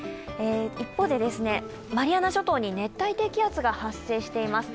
一方で、マリアナ諸島に熱帯低気圧が発生しています。